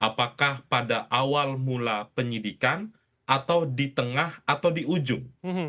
apakah pada awal mula penyidikan atau di tengah atau di ujung